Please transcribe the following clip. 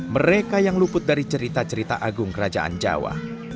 mereka yang luput dari cerita cerita agung kerajaan jawa